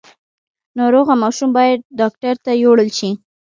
ناروغه ماشوم باید ډاکټر ته یووړل شي۔